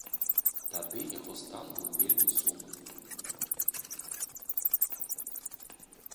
Тады яго стан быў вельмі сумны.